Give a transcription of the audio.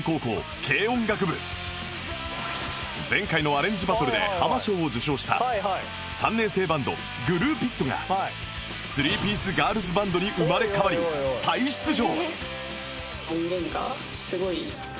前回のアレンジバトルでハマ賞を受賞した３年生バンド ＧＬＵＥＰｉＴ が３ピースガールズバンドに生まれ変わり再出場